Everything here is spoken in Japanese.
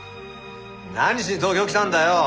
何しに東京来たんだよ？